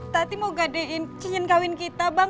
tadi mau gadein cincin kawin kita bang